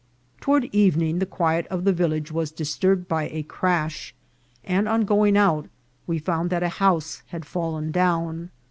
Toward evening the quiet of the village was disturb ed by a crash, and on going out we found that a house had fallen down.